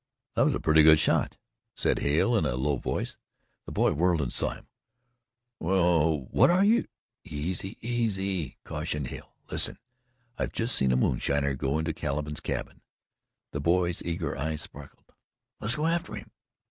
"That was a pretty good shot," said Hale in a low voice. The boy whirled and saw him. "Well what are you ?" "Easy easy!" cautioned Hale. "Listen! I've just seen a moonshiner go into Caliban's cabin." The boy's eager eyes sparkled. "Let's go after him."